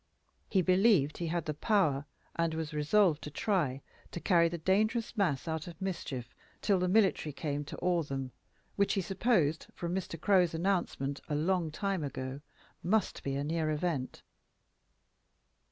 He believed he had the power and was resolved to try, to carry the dangerous mass out of mischief till the military came to awe them which he supposed, from Mr. Crow's announcement a long time ago, must be a near event.